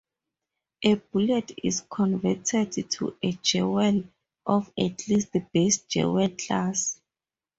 A bullet is converted to a jewel of at least base jewel class.